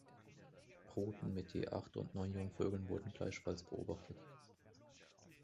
Bruten mit je acht und neun Jungvögeln wurden gleichfalls beobachtet.